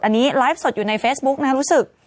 อันนี้ไลฟ์สดอยู่ในเฟซบุ๊กนะครับรู้สึก